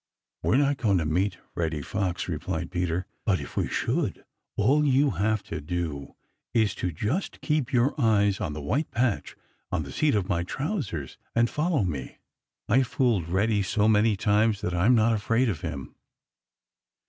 "We are not going to meet Reddy Fox," replied Peter, "but if we should, all you have to do is to just keep your eyes on the white patch on the seat of my trousers and follow me. I have fooled Reddy so many times that I'm not afraid of him."